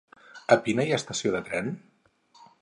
A Pina hi ha estació de tren?